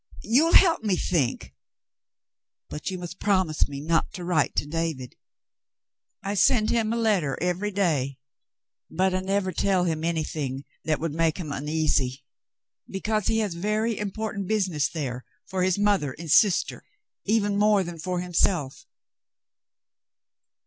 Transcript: You'll help me think, but you must promise me not to write to David. I send him a letter every day, but I never tell him anything that would make him uneasy, because he 248 The Mountain Girl has very important business there for his mother and sister, even more than for himself.